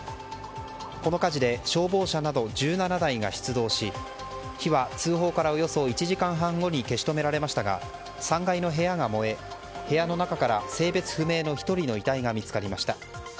この火事で消防車など１７台が出動し火は通報からおよそ１時間半後に消し止められましたが３階の部屋が燃え部屋の中から性別不明の１人の遺体が見つかりました。